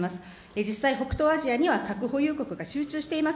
実際、北東アジアには核保有国が集中しています。